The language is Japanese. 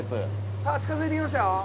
さあ、近づいてきましたよ。